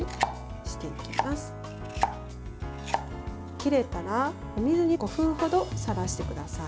切れたら、お水に５分ほどさらしてください。